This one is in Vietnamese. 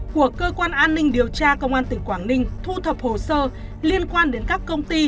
của cơ quan an ninh điều tra công an tỉnh quảng ninh thu thập hồ sơ liên quan đến các công ty